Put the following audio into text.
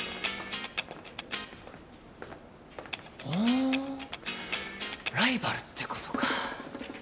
おぉライバルってことか。